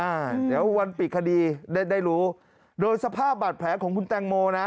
อ่าเดี๋ยววันปิดคดีได้ได้รู้โดยสภาพบาดแผลของคุณแตงโมนะ